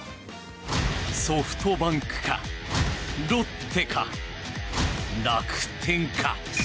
ソフトバンクかロッテか、楽天か。